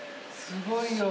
すごいよ。